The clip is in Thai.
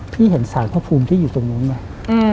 พี่เห็นสารพระภูมิที่อยู่ตรงนู้นไหม